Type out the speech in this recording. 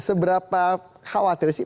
seberapa khawatir sih